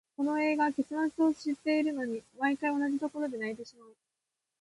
この映画、結末を知っているのに、毎回同じところで泣いてしまう。